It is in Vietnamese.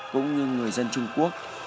cũng như người dân trung quốc